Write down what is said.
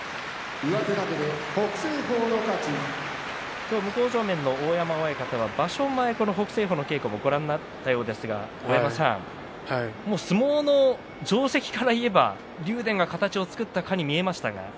今日、向正面の大山親方は場所前、北青鵬の稽古もご覧になったようですが相撲の定石からいえば竜電が形を作ったかに見えましたが。